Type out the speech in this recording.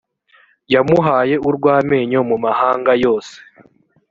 yamuhaye urwamenyo mu mahanga yose